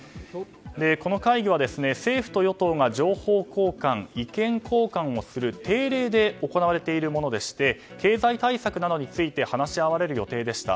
この会議は政府と与党が情報交換、意見交換をする定例で行われているものでして経済対策などについて話し合われる予定でした。